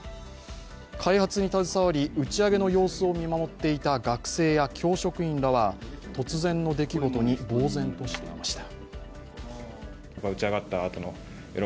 開発に携わり打ち上げの様子を見守っていた学生や教職員らは突然の出来事にぼう然としていました。